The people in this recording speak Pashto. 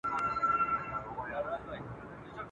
تور بخمل غوندي ځلېږې سر تر نوکه.